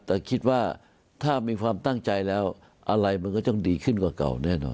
แต่คิดว่าถ้ามีความตั้งใจแล้วอะไรมันก็ต้องดีขึ้นกว่าเก่าแน่นอน